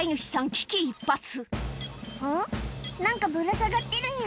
危機一髪「ん？何かぶら下がってるニャ」